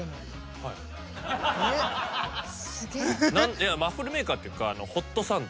いやワッフルメーカーっていうかホットサンド。